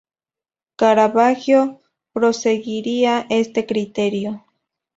Caravaggio proseguiría este criterio.